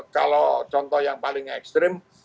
kalau contoh yang paling ekstrim